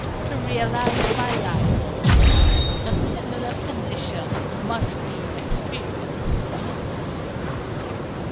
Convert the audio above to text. To realize my life, a similar condition must be experienced.